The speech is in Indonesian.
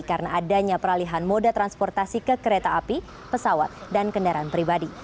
karena adanya peralihan moda transportasi ke kereta api pesawat dan kendaraan pribadi